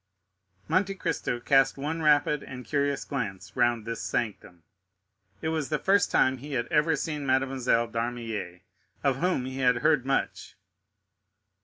Monte Cristo cast one rapid and curious glance round this sanctum; it was the first time he had ever seen Mademoiselle d'Armilly, of whom he had heard much.